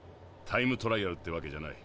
タイムトライアルってわけじゃない。